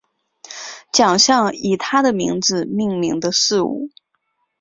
奖项以他的名字命名的事物